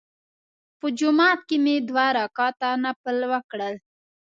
په جومات کې مې دوه رکعته نفل وکړل.